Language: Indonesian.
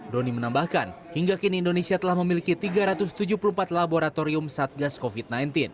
doni menambahkan hingga kini indonesia telah memiliki tiga ratus tujuh puluh empat laboratorium satgas covid sembilan belas